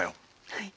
はい。